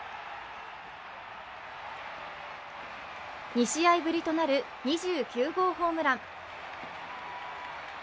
２試合ぶりとなる２９号ホームラン。